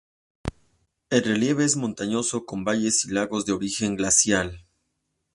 El relieve es montañoso, con valles y lagos de origen glaciar.